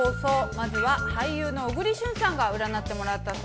まずは俳優の小栗旬さんが占ってもらったそうです。